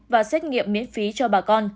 và xét nghiệm miễn phí cho bà con